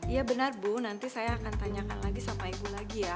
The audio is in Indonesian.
ya benar bu nanti saya akan tanyakan lagi sama ibu lagi ya